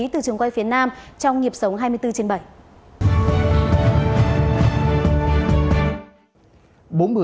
từ trường quay phía nam trong nhịp sống hai mươi bốn trên bảy